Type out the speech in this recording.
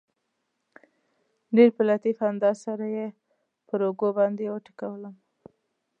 ډېر په لطیف انداز سره یې پر اوږه باندې وټکولم.